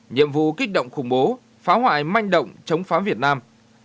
nhiệm vụ kích động khủng bố phá hoại manh động chống phá việt nam